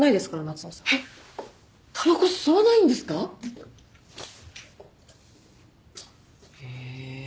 たばこ吸わないんですか？へ。